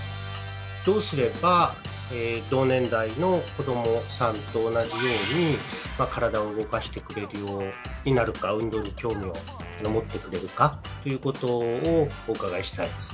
どうすれば同年代の子どもさんと同じように体を動かしてくれるようになるか運動に興味を持ってくれるかということをお伺いしたいです。